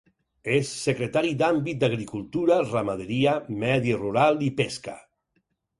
És secretari d’àmbit d’Agricultura, Ramaderia, Medi rural i Pesca.